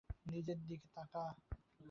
নিজের দিকে তাকা!